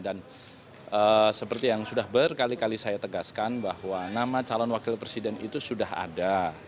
dan seperti yang sudah berkali kali saya tegaskan bahwa nama calon wakil presiden itu sudah ada